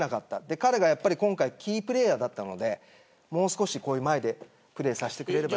彼が今回キープレーヤーだったのでもう少し前でプレーさせてくれれば。